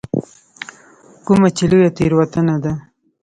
کومه چې لویه تېروتنه ده.